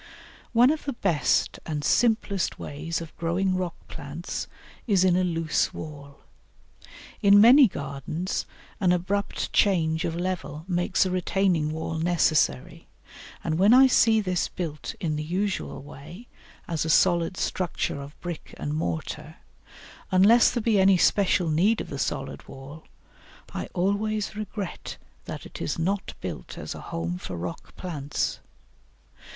One of the best and simplest ways of growing rock plants is in a loose wall. In many gardens an abrupt change of level makes a retaining wall necessary, and when I see this built in the usual way as a solid structure of brick and mortar unless there be any special need of the solid wall I always regret that it is not built as a home for rock plants.